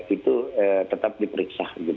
itu tetap diperiksa